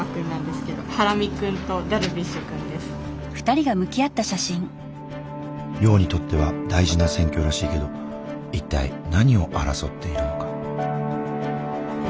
寮の中にとっては大事な選挙らしいけど一体何を争っているのか？